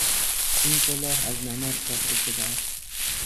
این کلاه از نمد ساخته شده است.